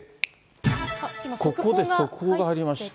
ここで速報が入りました。